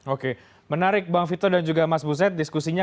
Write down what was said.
oke menarik bang vito dan juga mas buset diskusinya